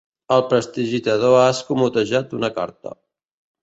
El prestidigitador ha escamotejat una carta.